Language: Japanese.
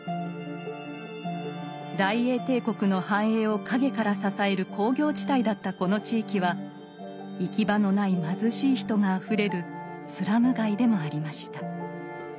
大英帝国の繁栄を陰から支える工業地帯だったこの地域は行き場のない貧しい人があふれるスラム街でもありました。